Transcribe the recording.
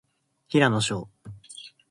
平野紫耀